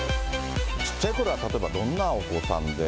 ちっちゃいころは、例えばどんなお子さんで？